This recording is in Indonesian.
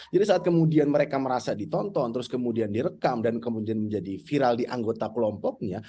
jadi saat kemudian mereka merasa ditonton terus kemudian direkam dan kemudian menjadi viral di anggota kelompoknya